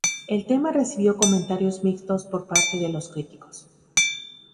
El tema recibió comentarios mixtos por parte de los críticos.